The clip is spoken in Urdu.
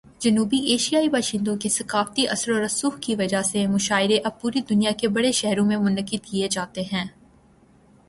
جنوبی ایشیائی باشندوں کے ثقافتی اثر و رسوخ کی وجہ سے، مشاعرے اب پوری دنیا کے بڑے شہروں میں منعقد کیے جاتے ہیں۔